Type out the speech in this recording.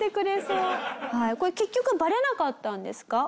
これ結局バレなかったんですか？